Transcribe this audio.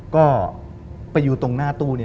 ก็ไปอยู่ตรงหน้าตู้